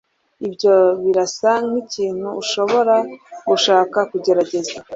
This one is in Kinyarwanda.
ibyo birasa nkikintu ushobora gushaka kugerageza